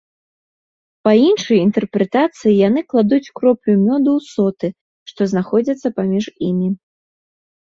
Па іншай інтэрпрэтацыі яны кладуць кроплю мёду ў соты, што знаходзяцца паміж імі.